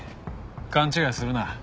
勘違いするな。